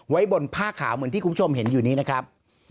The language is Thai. ไว้บนผ้าขาวเหมือนที่คุณผู้ชมเห็นอยู่นี้นะครับ